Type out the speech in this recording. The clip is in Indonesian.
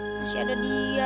eh masih ada dia